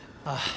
ああ